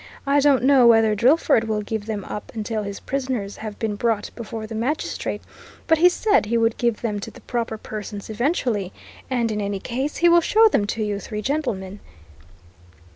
I don't know whether Drillford will give them up until his prisoners have been brought before the magistrate, but he said he would give them to the proper persons eventually, and in any case he will show them to you three gentlemen."